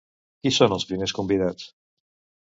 Qui són els primers convidats?